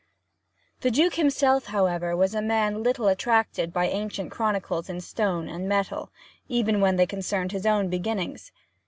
The Duke himself, however, was a man little attracted by ancient chronicles in stone and metal, even when they concerned his own beginnings.